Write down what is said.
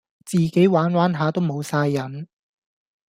自己玩玩下都無哂癮